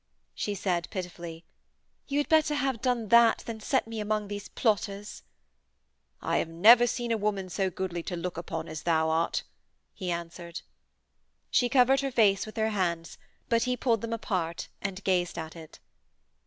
She said pitifully: 'You had better have done that than set me amongst these plotters.' 'I have never seen a woman so goodly to look upon as thou art,' he answered. She covered her face with her hands, but he pulled them apart and gazed at it.